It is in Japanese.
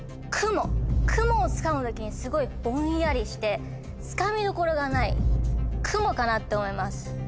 「くも」をつかむ時にすごいぼんやりしてつかみどころがない「くも」かなって思います。